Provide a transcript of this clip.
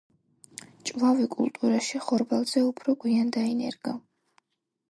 ჭვავი კულტურაში ხორბალზე უფრო გვიან დაინერგა.